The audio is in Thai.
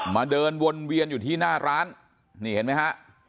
เดินวนเวียนอยู่ที่หน้าร้านนี่เห็นไหมฮะ